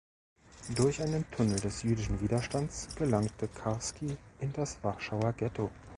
Durch einen Tunnel des jüdischen Widerstands gelangte Karski in das Warschauer Ghetto.